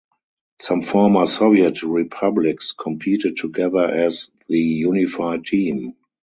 Some former Soviet republics competed together as the Unified Team.